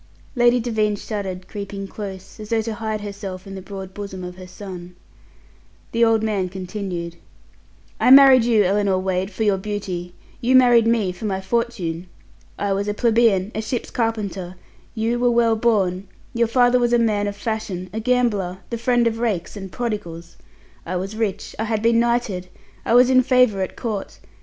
Lady Devine shuddered, creeping close, as though to hide herself in the broad bosom of her son. The old man continued: "I married you, Ellinor Wade, for your beauty; you married me for my fortune. I was a plebeian, a ship's carpenter; you were well born, your father was a man of fashion, a gambler, the friend of rakes and prodigals. I was rich. I had been knighted. I was in favour at Court.